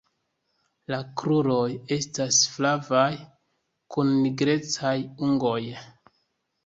La kruroj estas flavaj kun nigrecaj ungoj.